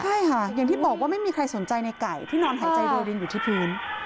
ใช่ค่ะอย่างที่บอกว่าไม่มีใครสนใจในไก่ที่นอนหายใจโรยรินอยู่ที่พื้น